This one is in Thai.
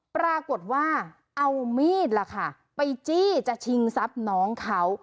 ปรากฏว่าเอามีดล่ะค่ะไปจี้จะชิงทรัพย์น้องเขา